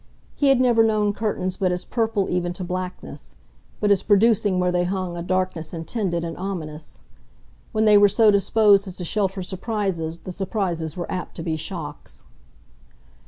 He had never known curtains but as purple even to blackness but as producing where they hung a darkness intended and ominous. When they were so disposed as to shelter surprises the surprises were apt to be shocks.